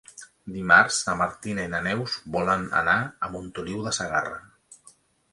Dimarts na Martina i na Neus volen anar a Montoliu de Segarra.